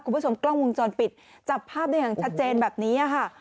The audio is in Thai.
คุณผู้ชมกล้องวงจรปิดจับภาพได้อย่างชัดเจนแบบนี้ค่ะ